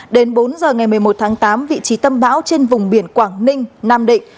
đến bốn giờ ngày một mươi một tháng tám vị trí tâm bão trên vùng biển quảng ninh nam định